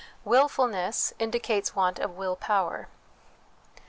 Wilfulness indicates want of Will Power.